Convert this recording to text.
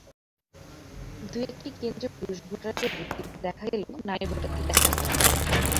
দুই-একটি কেন্দ্রে পুরুষ ভোটারকে ভোট দিতে দেখা গেলেও নারী ভোটারদের দেখা যায়নি।